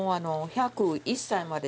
１０１歳まで！？